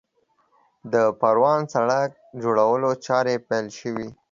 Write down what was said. د پروان سړک جوړولو چارې پیل شوې